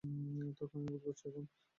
তো, কেমন বোধ করছ এখন?